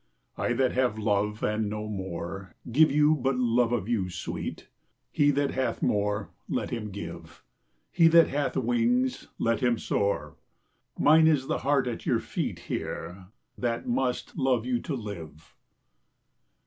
I that have love and no more Give you but love of you, sweet: He that hath more, let him give; He that hath wings, let him soar; Mine is the heart at your feet Here, that must love you to live.